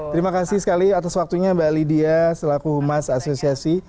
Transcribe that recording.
terima kasih sekali atas waktunya mbak lydia selaku humas asosiasi